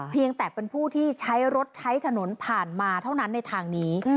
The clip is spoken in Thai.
เพียงแต่เป็นผู้ที่ใช้รถใช้ถนนผ่านมาเท่านั้นในทางนี้